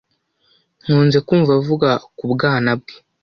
Nkunze kumva avuga ku bwana bwe.